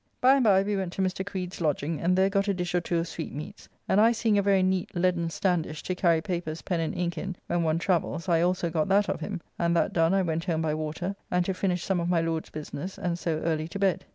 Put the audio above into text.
By and by we went to Mr. Creed's lodging, and there got a dish or two of sweetmeats, and I seeing a very neat leaden standish to carry papers, pen, and ink in when one travels I also got that of him, and that done I went home by water and to finish some of my Lord's business, and so early to bed.